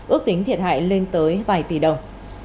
ước tính thiệt hại lên tới vài tỷ đồng